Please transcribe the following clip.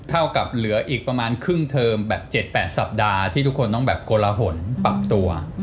เท่ากับเหลืออีกประมาณครึ่งเทอมแบบ๗๘สัปดาห์ที่ทุกคนต้องแบบโกละหนปรับตัว